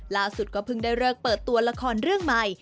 ล่าสุดก็เพิ่งได้เลิกเปิดตัวละครเรื่องใหม่